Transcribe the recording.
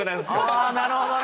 ああなるほどね。